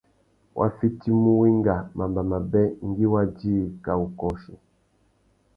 Wá fitimú wenga mamba mabê ngüi wa djï kā wu kôchi.